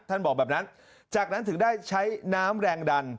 บอกแบบนั้นจากนั้นถึงได้ใช้น้ำแรงดัน